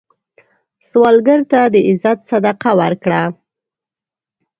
سوالګر ته د عزت صدقه ورکړه